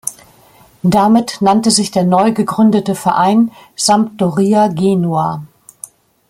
Damit nannte sich der neu gegründete Verein Sampdoria Genua.